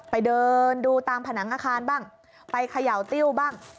ไปเดินดูตามผนังอาคารบ้างไปเขย่าติ้วบ้าง